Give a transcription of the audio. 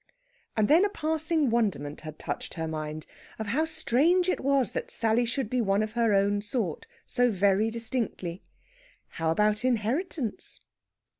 And then a passing wonderment had touched her mind, of how strange it was that Sally should be one of her own sort, so very distinctly. How about inheritance?